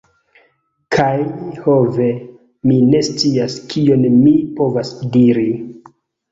Kaj... ho ve, mi ne scias kion mi povas diri!